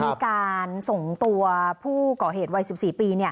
มีการส่งตัวผู้ก่อเหตุวัย๑๔ปี